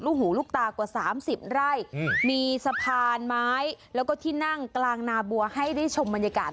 หูลูกตากว่า๓๐ไร่มีสะพานไม้แล้วก็ที่นั่งกลางนาบัวให้ได้ชมบรรยากาศ